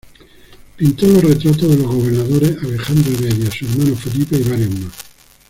Pintó los retratos de los gobernadores Alejandro Heredia, su hermano Felipe, y varios más.